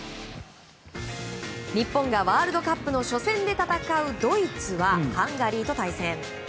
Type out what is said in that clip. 日本がワールドカップの初戦で戦うドイツはハンガリーと対戦。